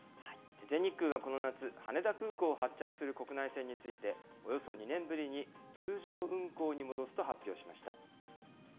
全日空はこの夏、羽田空港を発着する国内線について、およそ２年ぶりに通常運航に戻すと発表しました。